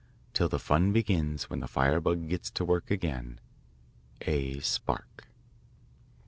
till the fun begins when the firebug gets to work again. A. SPARK.